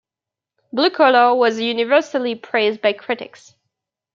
"Blue Collar" was universally praised by critics.